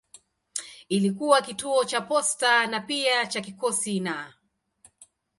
Ilikuwa kituo cha posta na pia cha kikosi na.